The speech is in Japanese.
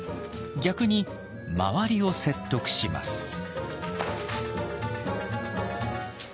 逆に周りを説得します。